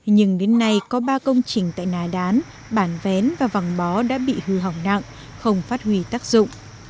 nhưng đến nay có ba công trình tại nà đán bản vén và vàng bó đã bị hư hỏng nặng không phát huy tác dụng